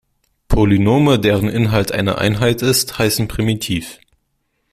Polynome, deren Inhalt eine Einheit ist, heißen primitiv.